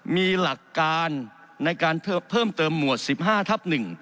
มีหลักการในการเพิ่มเติมหมวด๑๕ทับ๑